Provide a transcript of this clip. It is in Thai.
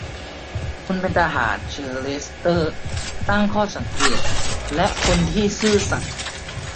คุณเป็นทหาร เซอร์เลสเตอร์ตั้งข้อสังเกต ‘’และคนที่ซื่อสัตย์’’